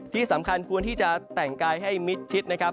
ที่สำคัญควรที่จะแต่งกายให้มิดชิดนะครับ